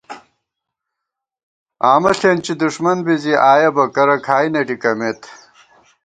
آمہ ݪېنچی دُݭمن بی زی آیہ بہ کرہ کھائی نہ ڈِکَمېت